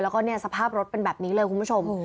แล้วก็เนี่ยสภาพรถเป็นแบบนี้เลยคุณผู้ชม